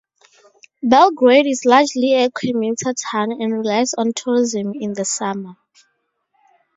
Belgrade is largely a commuter town and relies on tourism in the summer.